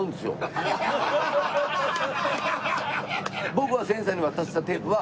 僕は千さんに渡したテープは。